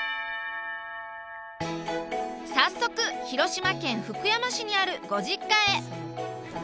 早速広島県福山市にあるご実家へ。